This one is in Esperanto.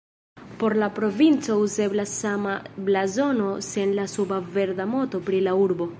Por la provinco uzeblas sama blazono sen la suba verda moto pri la urbo.